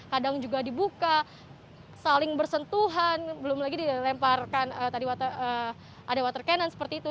kadang juga dibuka saling bersentuhan belum lagi dilemparkan tadi ada water cannon seperti itu